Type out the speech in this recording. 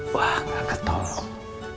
wah gak ketolong